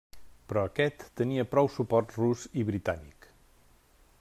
Però aquest tenia prou suport rus i britànic.